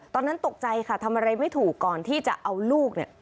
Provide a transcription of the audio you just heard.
ตอนนั้นตกใจค่ะทำอะไรไม่ถูกก่อนที่จะเอาลูกเนี่ย